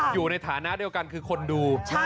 อยู่ในฐานะเดียวกันคือคนดู